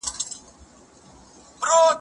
خامخا سر به په کې مات وي د نهره مزدور